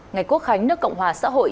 ngày quốc khánh nước cộng hòa xã hội